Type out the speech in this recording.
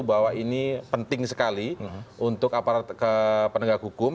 bahwa ini penting sekali untuk aparat penegak hukum